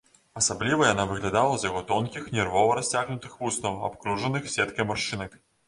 Асабліва яна выглядала з яго тонкіх, нервова расцягнутых вуснаў, абкружаных сеткай маршчынак.